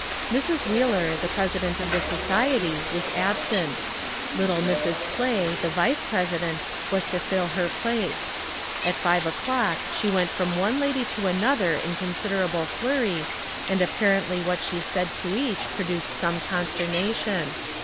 Mrs. Wheeler, the President of the society., was absent. Little Mrs. Clay, the Vice Pres ident, was to fill her place. At five o'clock she went from one lady to another in con siderable flurry, and apparently what she said to each produced some consternation.